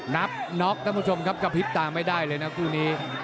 นักน็อคท่านผู้ชมยังเลยไม่ได้นะครู่นี้